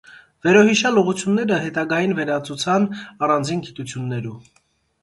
Վերոյիշեալ ուղղութիւնները յետագային վերածուեցան առանձին գիտութիւններու։